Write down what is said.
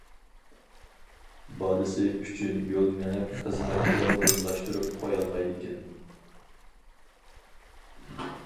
بالىسى ئۈچۈن يول مېڭىپ خىزمەتكە ئورۇنلاشتۇرۇپ قويالمايدىكەن.